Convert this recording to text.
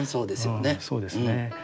そうですよね。